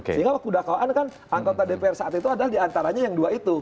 sehingga waktu dakwaan kan anggota dpr saat itu adalah diantaranya yang dua itu